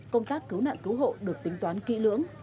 công tác cứu nạn cứu hộ được tính toán kỹ lưỡng